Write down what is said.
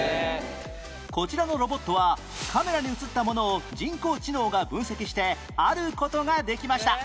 こちらのロボットはカメラに映ったものを人工知能が分析してある事ができました